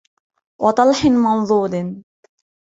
وَطَلْحٍ مَّنضُودٍ